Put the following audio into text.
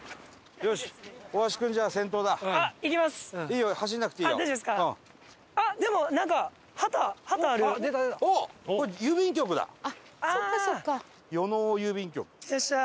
よっしゃー！